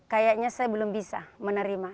kayaknya saya belum bisa menerima